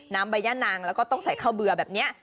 น้ำใบย่างนางและซอยเข้าเบื่อแบบนี้